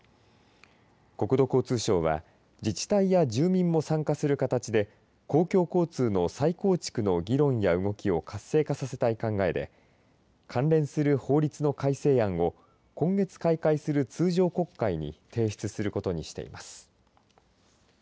国土交通省は自治体や住民も参加する形で公共交通の再構築の議論や動きを活性化させたい考えで関連する法律の改正案を今月、開会する通常国会に提出することにしています